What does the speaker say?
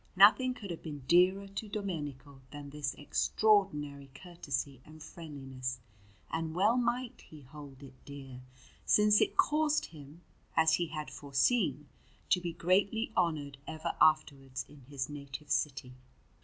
Nothing could have been dearer to Domenico than this extraordinary courtesy and friendliness; and well might he hold it dear, since it caused him, as he had foreseen, to be greatly honoured ever afterwards in his native city.